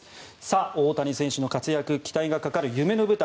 大谷選手の活躍期待がかかる夢の舞台